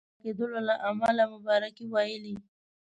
د پاچا کېدلو له امله مبارکي ویلې.